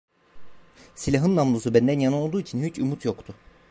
Silahın namlusu benden yana olduğu için hiç umut yoktu.